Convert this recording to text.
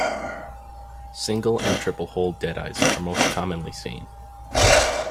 Single and triple-hole deadeyes are most commonly seen.